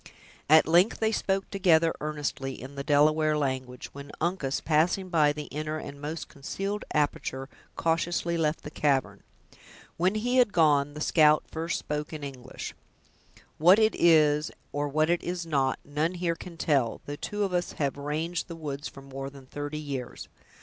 At length they spoke together, earnestly, in the Delaware language, when Uncas, passing by the inner and most concealed aperture, cautiously left the cavern. When he had gone, the scout first spoke in English. "What it is, or what it is not, none here can tell, though two of us have ranged the woods for more than thirty years.